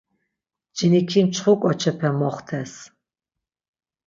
Ciniki mçxu ǩoçepe moxtes.